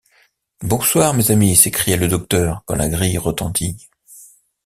Bonsoir, mes amis, s’écria le docteur quand la grille retentit.